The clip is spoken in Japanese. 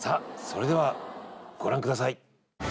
それではご覧ください